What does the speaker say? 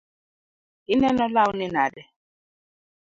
Ineno lawni nade?